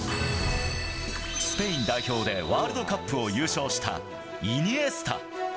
スペイン代表でワールドカップを優勝したイニエスタ。